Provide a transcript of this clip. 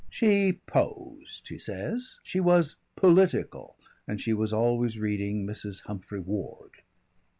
"She posed," he says; she was "political," and she was always reading Mrs. Humphry Ward.